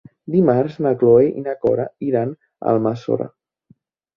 Dimarts na Cloè i na Cora iran a Almassora.